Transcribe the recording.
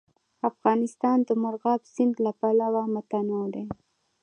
افغانستان د مورغاب سیند له پلوه متنوع دی.